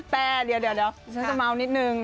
แต่เดี๋ยวฉันจะเมานิดนึง